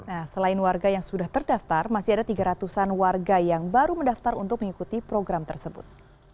nah selain warga yang sudah terdaftar masih ada tiga ratus an warga yang baru mendaftar untuk mengikuti program tersebut